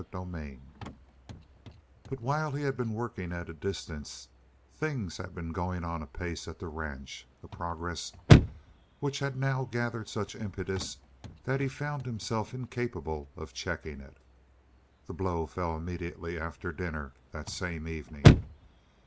CHAPTER 6 But while he had been working at a distance, things had been going on apace at the ranch, a progress which had now gathered such impetus that he found himself incapable of checking it. The blow fell immediately after dinner that same evening.